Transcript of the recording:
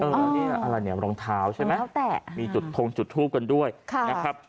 อ๋อแล้วนี่อะไรเนี่ยรองเท้าใช่ไหมรองเท้าแตะมีจุดทงจุดทูบกันด้วยค่ะ